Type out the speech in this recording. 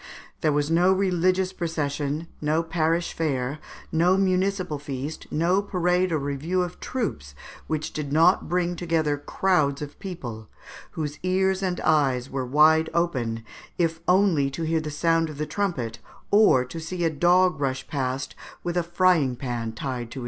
There was no religious procession, no parish fair, no municipal feast, and no parade or review of troops, which did not bring together crowds of people, whose ears and eyes were wide open, if only to hear the sound of the trumpet, or to see a "dog rush past with a frying pan tied to his tail."